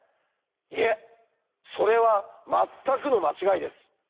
いえそれは全くの間違いです。